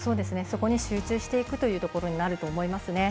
そこに集中していくというところになると思います。